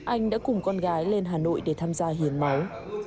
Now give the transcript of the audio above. anh đã cùng con gái lên hà nội để tham gia hiến máu